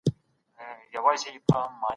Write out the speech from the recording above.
ټولنيزي اړيکي څه ډول رامنځته کيږي؟